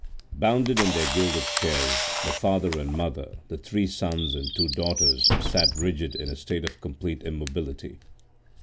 Bound in their gilded chairs, the father and mother, the three sons, and the two daughters, sat rigid in a state of complete immobility.